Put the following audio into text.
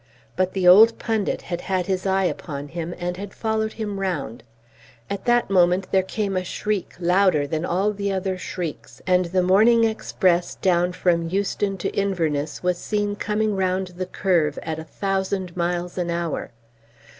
But the old pundit had had his eye upon him, and had followed him round. At that moment there came a shriek louder than all the other shrieks, and the morning express down from Euston to Inverness was seen coming round the curve at a thousand miles an hour.